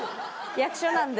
役所なんで。